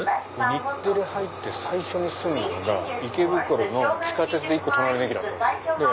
日テレ入って最初に住んでたのが池袋の地下鉄で１個隣の駅だったんですよ。